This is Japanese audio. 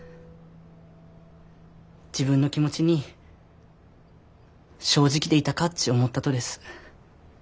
自分の気持ちに正直でいたかっち思ったとです。